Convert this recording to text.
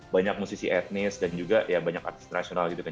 banyak musisi etnis dan juga ya banyak artis nasional gitu kan